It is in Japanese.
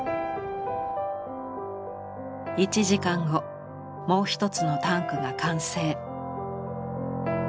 １時間後もう一つのタンクが完成。